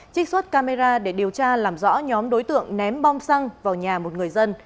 trích xuất camera để điều tra làm rõ nhóm đối tượng ném bom xăng vào nhà một người dân